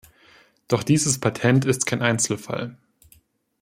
Doch dieses Patent ist kein Einzelfall.